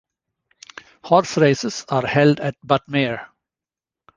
Horse races are held at Butmir.